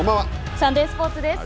サンデースポーツです。